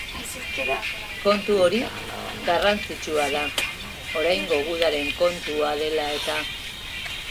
Kontu hori garrantzitsua da, oraingo gudaren kontua dela eta.